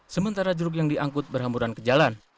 sementara jeruk yang diangkut berhamburan ke jalan